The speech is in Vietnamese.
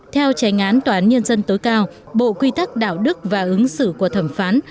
theo tranh án toán nhân dân tối cao bộ quy tắc đạo đức và ứng xử của thẩm phán